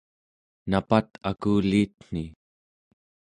napat akuliitni